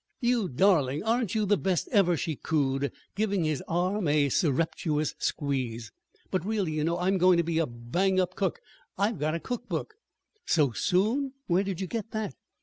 "You darling! Aren't you the best ever!" she cooed, giving his arm a surreptitious squeeze. "But, really, you know, I am going to be a bang up cook. I've got a cookbook." "So soon? Where did you get that?"